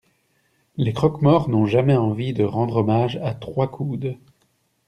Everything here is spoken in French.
Les croque-morts n'ont jamais envie de rendre hommage à trois coudes.